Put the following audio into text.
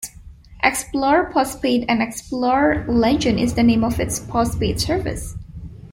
Xplore Postpaid and Xplore Legend is the name of its post paid service.